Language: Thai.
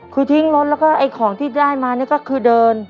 คือทิ้งรถแล้วก็ไอ้ของที่ได้มานี่ก็คือเดิน